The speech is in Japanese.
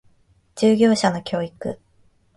従業者の教育